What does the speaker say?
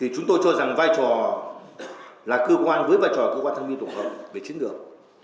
chúng tôi cho rằng vai trò là cơ quan với vai trò cơ quan thông minh tổng hợp về chiến lược